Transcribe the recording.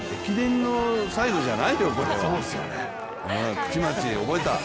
口町、覚えた！